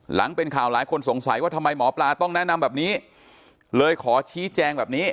หลังเป็นข่าวหลายคนสงสัยว่าทำไมหมอปลาต้องแนะนำแบบนี้เลยขอชี้แจงแบบนี้